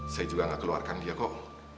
saya juga nggak keluarkan dia kok